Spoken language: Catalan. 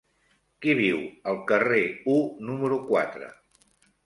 Qui viu al carrer U número quatre?